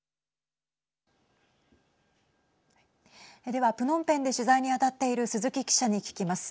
では、プノンペンで取材に当たっている鈴木記者に聞きます。